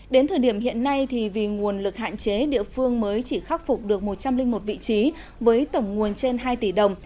đến thời điểm hiện nay vì nguồn lực hạn chế địa phương mới chỉ khắc phục được một trăm linh một vị trí với tổng nguồn trên hai tỷ đồng